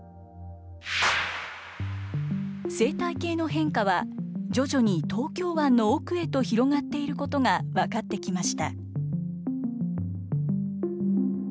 生態系の変化は、徐々に東京湾の奥へと広がっていることが分かってきました。